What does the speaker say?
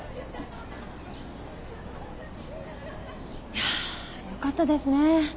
いやよかったですね。